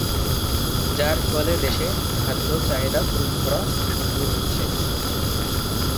যার ফলে দেশে খাদ্য চাহিদা পূরণ করা সম্ভব হচ্ছে।